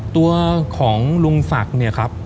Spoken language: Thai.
ตัวของลุงศักดิ์เนี่ยครับ